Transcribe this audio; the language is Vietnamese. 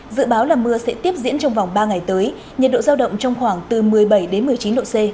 dự báo là mưa sẽ tiếp diễn trong vòng ba ngày tới nhiệt độ giao động trong khoảng từ một mươi bảy đến một mươi chín độ c